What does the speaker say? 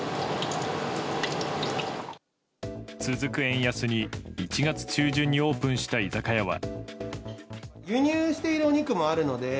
続く円安に１月中旬にオープンした居酒屋は。